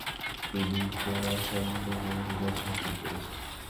তিনি Khorasan, Iraq ও Hejaz সফর করেছেন।